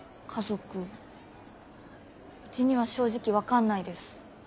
家族うちには正直分かんないです。